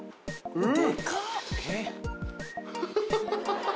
うん！